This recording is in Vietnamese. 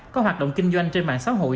có hoạt động kinh doanh trên mạng xã hội